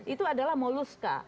itu adalah molusca